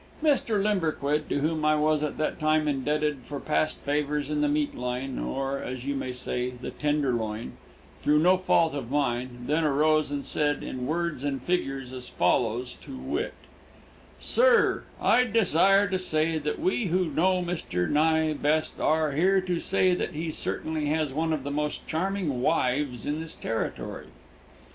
Mr. Limberquid, to whom I was at that time indebted for past favors in the meat line, or, as you may say, the tenderloin, through no fault of mine, then arose and said, in words and figures as follows, to wit: "SIR: I desire to say that we who know Mr. Nye best are here to say that he certainly has one of the most charming wives in this territory.